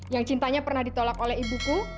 yang cintanya pernah ditolak oleh ibuku